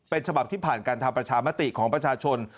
เป็นฉบับที่ผ่านการทำประชามติของประชาชน